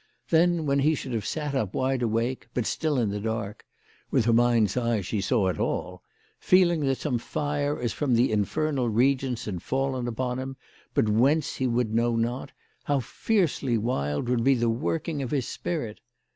Then when he should have sat up wide awake, but still in the dark with her mind's eye she saw it all feeling that some fire as from the infernal regions had fallen upon him, but whence he would know not, how fiercely wild would be the working of his spirit